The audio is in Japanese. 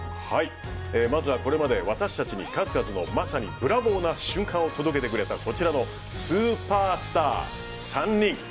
まずはこれまで私たちに数々のまさにブラボーの瞬間を届けてくれたこちらのスーパースター３人。